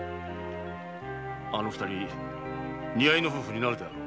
あの二人似合いの夫婦になるであろう。